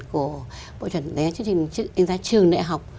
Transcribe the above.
của bộ chuẩn đánh giá trường đại học